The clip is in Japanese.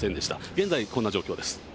現在、こんな状況です。